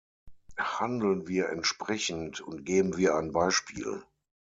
Handeln wir entsprechend und geben wir ein Beispiel.